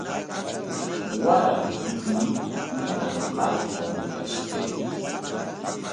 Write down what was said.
Warantinmi ñimanqanta willashqayki.